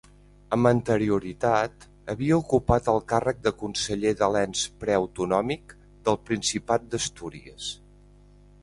Amb anterioritat havia ocupat el càrrec de Conseller de l'ens preautonòmic del Principat d'Astúries.